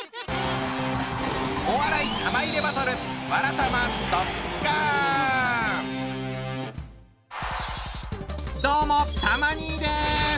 お笑い玉入れバトルどうもたま兄です！